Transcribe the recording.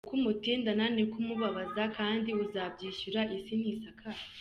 Uko umutindana ni ko umubabaza kdi uzabyishyura, isi ntisakaye.